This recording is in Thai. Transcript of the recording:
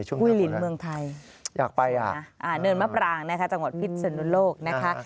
ช่วยหลีนเมืองไทยนะครับสวยนะครับเนินมะปรางจังหวัดพิษสนุนโลก